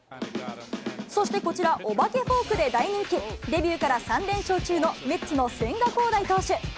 そしてこちら、お化けフォークで大人気、デビューから３連勝中のメッツの千賀滉大投手。